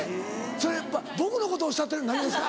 それやっぱ僕のことおっしゃってる何がですか？